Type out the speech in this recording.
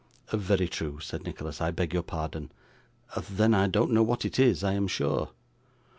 'Very true,' said Nicholas. 'I beg your pardon. Then I don't know what it is, I am sure.